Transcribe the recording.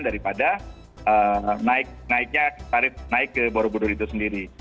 daripada naiknya tarif naik ke borobudur itu sendiri